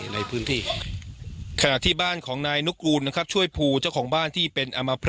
ในพื้นที่ขณะที่บ้านของนายนุกูลนะครับช่วยภูเจ้าของบ้านที่เป็นอมพระ